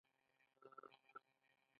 د بغلان په تاله او برفک کې سکاره شته.